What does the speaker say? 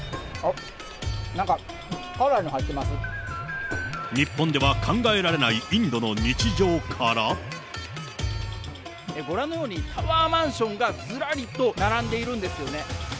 なんか、日本では考えられないインドご覧のように、タワーマンションがずらりと並んでいるんですよね。